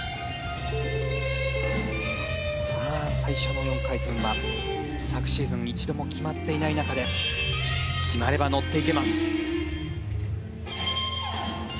さあ最初の４回転は昨シーズン一度も決まっていない中で決まれば乗っていけます。